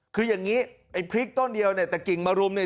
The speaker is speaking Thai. คืออย่างนี้ไอ้พริกต้นเดียวเนี่ยแต่กิ่งมารุมเนี่ย